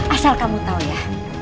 asal kamu tau ya